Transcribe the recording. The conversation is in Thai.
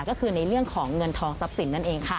ก็คือในเรื่องของเงินทองทรัพย์สินนั่นเองค่ะ